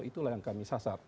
itulah yang kami sasar